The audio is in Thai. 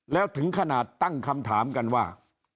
แล้วถึงขนาดตั้งคำถามกันว่า